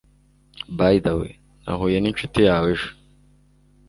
By the way, Nahuye ninshuti yawe ejo.